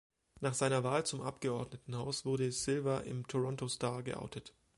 Nach seiner Wahl zum Abgeordnetenhaus wurde Silva im Toronto Star geoutet.